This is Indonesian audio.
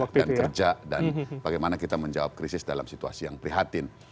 dan kerja dan bagaimana kita menjawab krisis dalam situasi yang prihatin